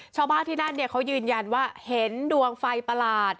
ชาวบ้านที่นั่นเขายืนยันว่าเห็นดวงไฟประหลาด